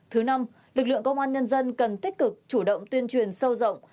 thứ năm lực lượng công an nhân dân cần tích cực chủ động tuyên truyền sâu rộng